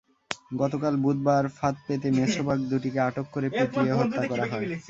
গতকাল বুধবার ফাঁদ পেতে মেছো বাঘ দুটিকে আটক করে পিটিয়ে হত্যা করা হয়।